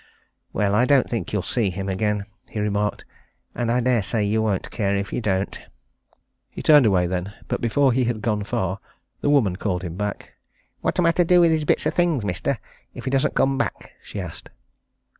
"Well, I don't think you'll see him again," he remarked. "And I dare say you won't care if you don't." He turned away then, but before he had gone far, the woman called him back. "What am I to do with his bits of things, mister, if he doesn't come back?" she asked.